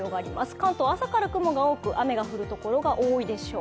関東、朝から雲が多く、雨が降るところが多いでしょう。